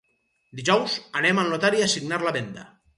Dijous anem al notari a signar la venda.